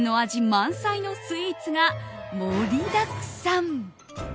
満載のスイーツが盛りだくさん！